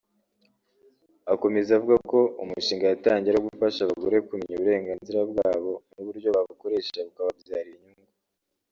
Akomeza avuga ko umushinga yatangiye ari uwo gufasha abagore kumenya uburenganzira bwabo n’uburyo babukoresha bukababyarira inyungu